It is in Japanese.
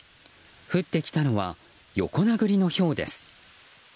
降ってきたのは横殴りのひょうです。